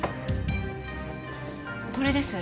これです。